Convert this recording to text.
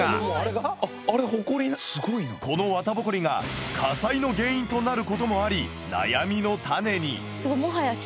この綿ボコリが火災の原因となることもあり悩みの種に。